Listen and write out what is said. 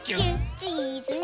「チーズね」